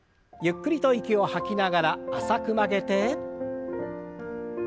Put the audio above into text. ゆっくりと息を吐きながら浅く曲げて。